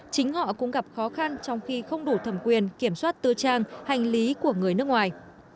chính họ cũng gặp khó khăn trong khi không đủ thẩm quyền kiểm soát tư trang hành lý của người nước ngoài